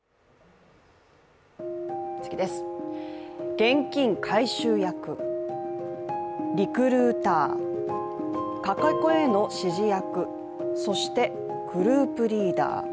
現金回収役、リクルーター、かけ子への指示役、そして、グループリーダー。